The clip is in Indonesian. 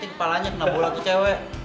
kepalanya kena bola tuh cewek